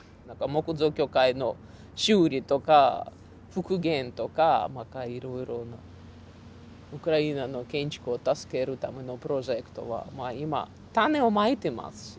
木造教会の修理とか復元とかまたいろいろなウクライナの建築を助けるためのプロジェクトは今種をまいてますし。